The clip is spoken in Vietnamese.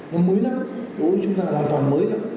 nó mới lắm đối với chúng ta hoàn toàn mới lắm